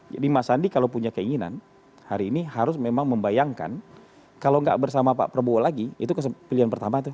jadi mas sandi kalau punya keinginan hari ini harus memang membayangkan kalau enggak bersama pak prabowo lagi itu pilihan pertama tuh